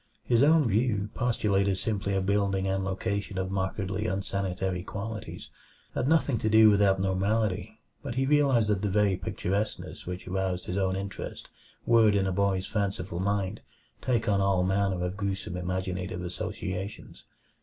His own view, postulating simply a building and location of markedly unsanitary qualities, had nothing to do with abnormality; but he realized that the very picturesqueness which aroused his own interest would in a boy's fanciful mind take on all manner of gruesome imaginative associations.